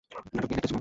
নাটকবিহীন একটা জীবন।